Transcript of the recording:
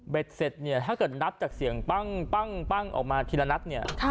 เสร็จเนี่ยถ้าเกิดนับจากเสียงปั้งออกมาทีละนัดเนี่ย